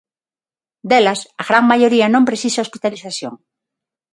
Delas, a gran maioría non precisa hospitalización.